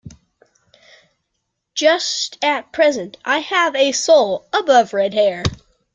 Just at present I have a soul above red hair.